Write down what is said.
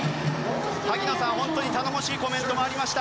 萩野さん、本当に頼もしいコメントもありました。